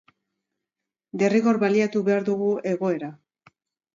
Derrigor baliatu behar dugu egoera.